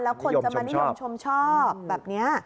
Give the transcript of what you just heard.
แล้วคนจะมานิยมชมชอบแบบนี้